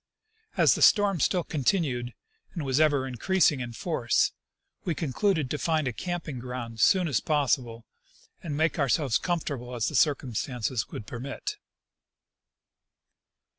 As the storm still continued, and was even increasing in force, we con cluded to find a camping ground soon as possible and make our selves comfortable as the circumstances would permit.